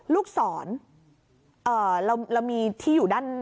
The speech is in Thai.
ลูกศรเรามีที่อยู่ด้าน